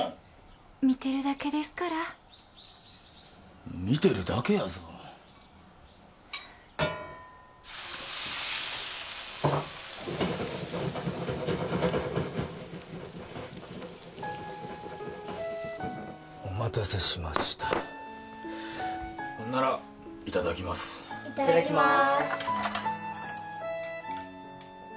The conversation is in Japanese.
見てるだけですから見てるだけやぞお待たせしましたほんならいただきますいただきます